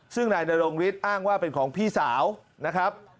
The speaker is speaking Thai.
ซึ่งนายนรงฤทธิอ้างว่าเป็นของพี่สาวนะครับ